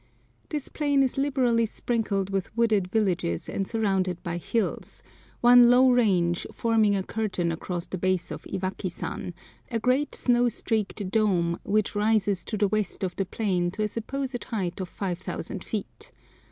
This plain is liberally sprinkled with wooded villages and surrounded by hills; one low range forming a curtain across the base of Iwakisan, a great snow streaked dome, which rises to the west of the plain to a supposed height of 5000 feet.